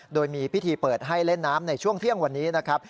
โดยมีพิธีเปิดให้เล่นน้ำในช่วงเที่ยงวันนี้นะครับ